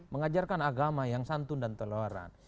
mengajarkan agama yang santun dan telah luaran